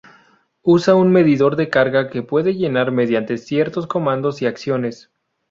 Usa un medidor de carga que puede llenar mediante ciertos comandos y acciones.